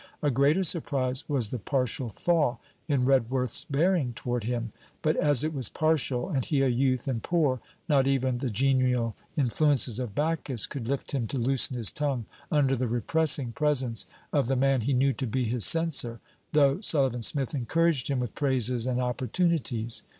A greater surprise was the partial thaw in Redworth's bearing toward him. But, as it was partial, and he a youth and poor, not even the genial influences of Bacchus could lift him to loosen his tongue under the repressing presence of the man he knew to be his censor, though Sullivan Smith encouraged him with praises and opportunities.